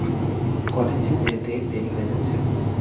College যেতে দেরি হয়ে যাচ্ছে।